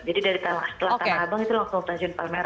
jadi dari tanah abang itu langsung stasiun palmera